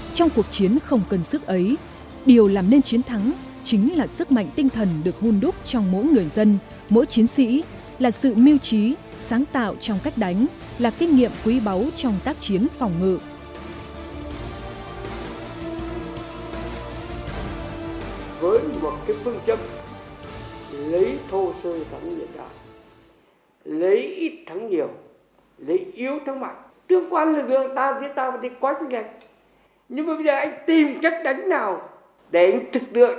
trong cuộc chiến không cần sức ấy điều làm nên chiến thắng chính là sức mạnh tinh thần được hôn đúc trong mỗi người dân mỗi chiến sĩ là kinh nghiệm quý báu trong tác chiến phòng ngựa